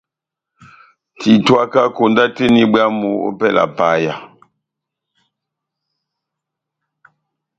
Titwaka konda tɛ́h eni bwámu opɛlɛ ya paya.